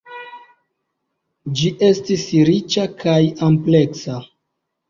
Ĝi estis riĉa kaj ampleksa.